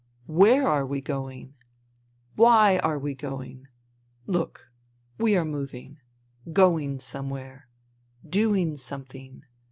Where are we going ? Why are we going ? Look : we are moving. Going somewhere. Doing something.